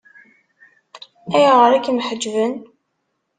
Ayɣer i kem-ḥeǧben?